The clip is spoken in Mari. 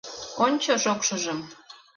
Ончо шокшыжым.